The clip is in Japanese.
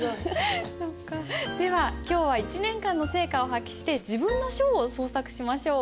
では今日は１年間の成果を発揮して自分の書を創作しましょう。